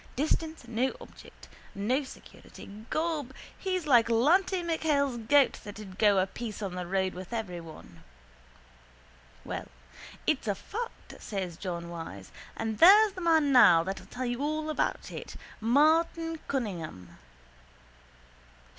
Distance no object. No security. Gob, he's like Lanty MacHale's goat that'd go a piece of the road with every one. —Well, it's a fact, says John Wyse. And there's the man now that'll tell you all about it, Martin Cunningham.